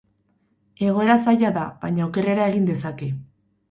Egoera zaila da, baina okerrera egin dezake.